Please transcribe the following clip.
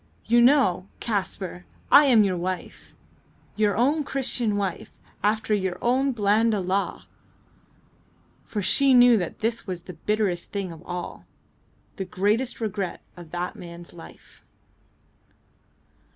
"You know, Kaspar, I am your wife! your own Christian wife after your own Blanda law!" For she knew that this was the bitterest thing of all; the greatest regret of that man's life.